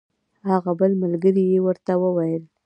هغه بل ملګري یې ورته وویل.